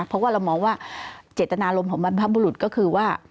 เพราะว่าเรามองว่าเจตนารมณ์ของบรรพบุรุษก็คือว่า